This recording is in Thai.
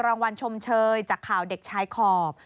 รางวัลชมเชยจากข่าวเด็กชายขอบ